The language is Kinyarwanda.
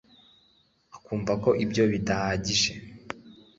akumva ko ibyo bidahagije